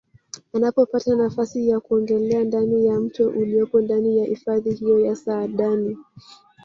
Anapopata nafasi ya kuogelea ndani ya mto uliopo ndani ya hifadhi hiyo ya Saadani